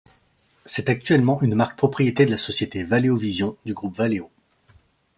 C'est actuellement une marque propriété de la société Valeo Vision du groupe Valeo.